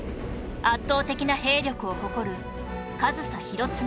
圧倒的な兵力を誇る上総広常